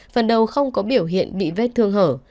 phần đầu không có biểu hiện bị vết thương hở